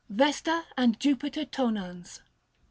VESTA AND JUPITEE TONANS.